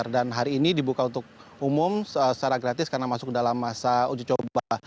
dan hari ini dibuka untuk umum secara gratis karena masuk dalam masa uji coba